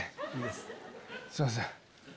すいません。